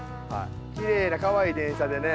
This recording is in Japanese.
きれいなかわいい電車でね